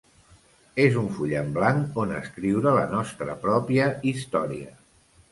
És un full en blanc on escriure la nostra pròpia història.